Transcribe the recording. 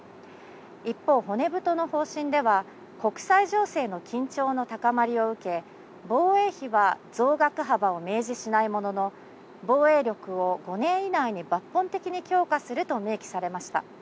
一方、骨太の方針では、国際情勢の緊張の高まりを受け、防衛費は増額幅を明示しないものの、防衛力を５年以内に抜本的に強化すると明記されました。